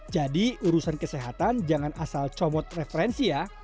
jadi urusan kesehatan jangan asal comot referensi ya